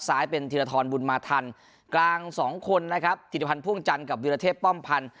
เป็นธีรทรบุญมาทันกลางสองคนนะครับธิรพันธ์พ่วงจันทร์กับวิรเทพป้อมพันธ์